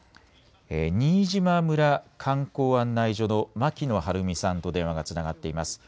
新島村観光案内所の牧野春美さんと電話がつながっています。